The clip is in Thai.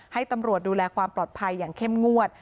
ให้ตำรวจดูแลความปลอดภัยอย่างเข้มงวด